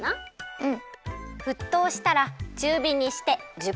うん。